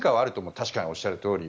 確かにおっしゃるとおり。